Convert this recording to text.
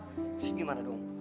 terus gimana dong